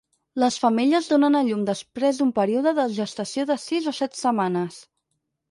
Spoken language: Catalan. Les femelles donen a llum després d'un període de gestació de sis o set setmanes.